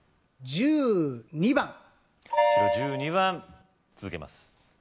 １２番白１２番続けます